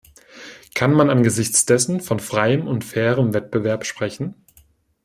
Kann man angesichts dessen von freiem und fairem Wettbewerb sprechen?